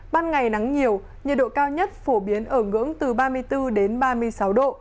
ban ngày nắng nhiều nhiệt độ cao nhất phổ biến ở ngưỡng từ ba mươi bốn đến ba mươi sáu độ